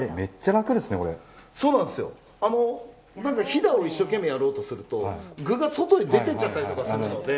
ひだを一生懸命やろうとすると具が外に出ていったりするので。